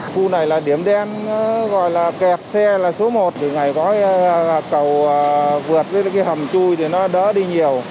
cầu vực với cái hầm chui thì nó đỡ đi nhiều